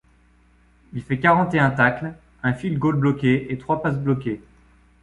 Il fait quarante-et-un tacles, un field goal bloqué et trois passes bloquées.